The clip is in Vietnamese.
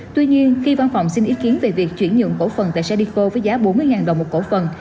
tuy nhiên khi văn phòng xin ý kiến về việc chuyển nhượng cố phần tại sadeco với giá bốn mươi đồng một cố phần